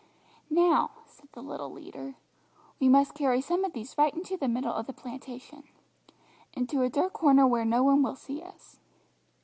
"Now," said the little leader, "we must carry some of these right into the middle of the plantation. Into a dark corner where no one will see us."